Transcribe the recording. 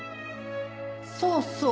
そうそう。